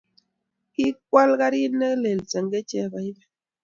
Kakwal karit ne lel senge Chebaibai.